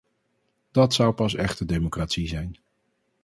Dat zou pas echte democratie zijn.